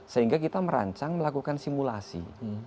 sehingga kita merancang melakukan simulasi